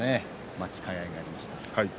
巻き替えがありました。